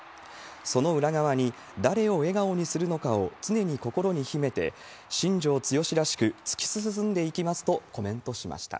その裏側に、誰を笑顔にするのかを常に心に秘めて、新庄剛志らしく、突き進んで生きます！